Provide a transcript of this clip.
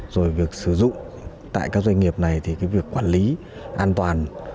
rồi việc sử dụng tại các doanh nghiệp này thì cái việc quản lý an toàn